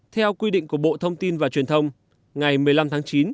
theo quy định của bộ thông tin và truyền thông ngày một mươi năm tháng chín